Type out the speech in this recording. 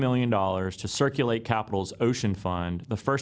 modal yang berhasil sudah wujud di negara negara seperti australia dan indonesia